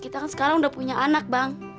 kita kan sekarang udah punya anak bang